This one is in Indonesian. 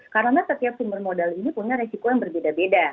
karena setiap sumber modal ini punya resiko yang berbeda beda